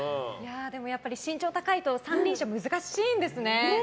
やっぱり、身長が高いと三輪車は難しいんですね。